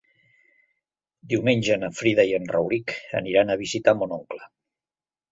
Diumenge na Frida i en Rauric aniran a visitar mon oncle.